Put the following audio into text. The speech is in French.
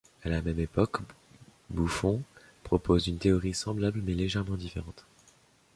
À la même époque Buffon propose une théorie semblable mais légèrement différente.